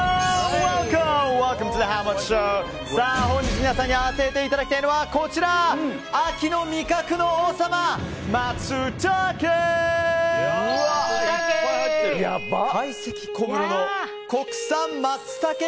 本日皆さんに当てていただきたいのはこちら秋の味覚の王様マツタケ！